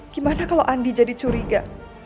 gimana kalau andi jadi curiga